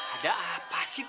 ada apa sih